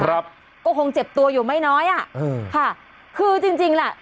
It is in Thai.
ครับก็คงเจ็บตัวอยู่ไม่น้อยอ่ะอืมค่ะคือจริงจริงแหละ